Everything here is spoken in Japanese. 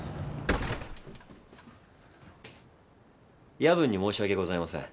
夜分に申し訳ございません。